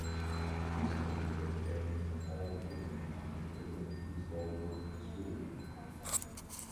Crystals were obtained from all the proteins in the Protein Crystal Growth experiment.